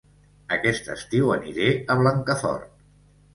Aquest estiu aniré a Blancafort